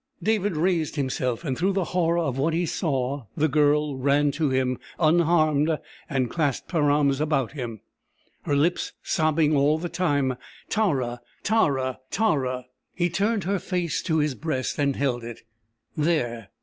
David raised himself and through the horror of what he saw the Girl ran to him unharmed and clasped her arms about him, her lips sobbing all the time "Tara Tara Tara...." He turned her face to his breast, and held it there.